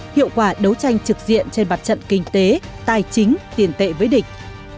hiệu quả đấu tranh trực diện trên bặt trận kinh tế tài chính tiền tệ với địch